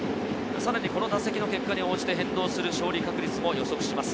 さらにこの打席の結果に応じて変動する勝利確率も予測します。